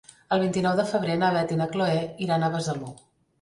El vint-i-nou de febrer na Beth i na Chloé iran a Besalú.